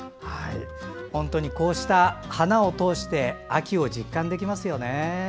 本当にこうした花を通して秋を実感できますよね。